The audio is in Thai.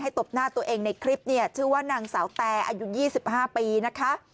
ตบหน้าตัวเองในคลิปเนี่ยชื่อว่านางสาวแตอายุ๒๕ปีนะคะ